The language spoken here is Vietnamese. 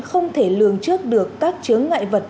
không thể lường trước được các chướng ngại vật